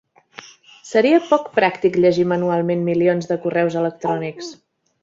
Seria poc pràctic llegir manualment milions de correus electrònics.